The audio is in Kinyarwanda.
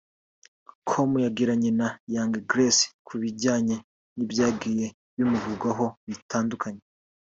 com yagiranye na Young Grace ku bijyanye n’ibyagiye bimuvugwaho bitandukanye